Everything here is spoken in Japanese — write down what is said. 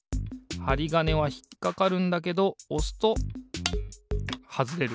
はりがねはひっかかるんだけどおすとはずれる。